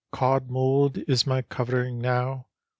" Cauld mould is my covering now.